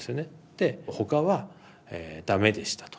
で他は駄目でしたと。